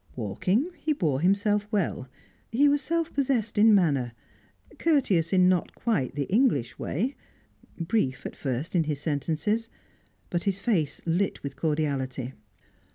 Walking, he bore himself well; he was self possessed in manner, courteous in not quite the English way; brief, at first, in his sentences, but his face lit with cordiality.